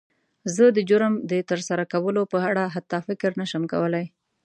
زه د جرم د تر سره کولو په اړه حتی فکر نه شم کولی.